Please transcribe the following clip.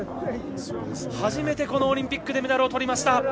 初めて、このオリンピックでメダルをとりました。